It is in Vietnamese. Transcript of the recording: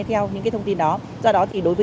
theo những cái thông tin đó do đó thì đối với